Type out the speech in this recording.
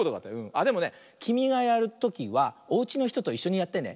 あっでもねきみがやるときはおうちのひとといっしょにやってね。